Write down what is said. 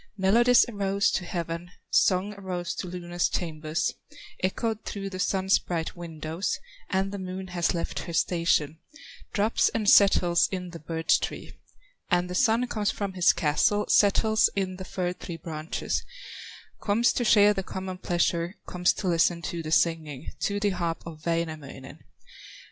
Melodies arose to heaven, Songs arose to Luna's chambers, Echoed through the Sun's bright windows And the Moon has left her station, Drops and settles in the birch tree; And the Sun comes from his castle, Settles in the fir tree branches, Comes to share the common pleasure, Comes to listen to the singing, To the harp of Wainamoinen.